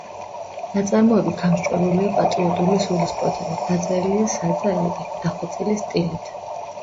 ნაწარმოები გამსჭვალულია პატრიოტული სულისკვეთებით, დაწერილია სადა ენით, დახვეწილი სტილით.